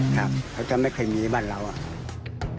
ครับเขาจะไม่ค่อยมีบ้านเราก็